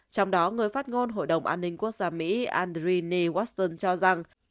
trong đó người phát ngôn hội đồng an ninh quốc gia mỹ andriy ney watson cho rằng